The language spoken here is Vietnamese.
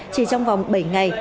chỉ trong vòng bảy ngày